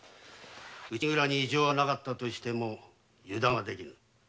内蔵に異状はなかったにせよ油断はできぬ。